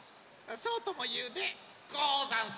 そうともいうでござんす！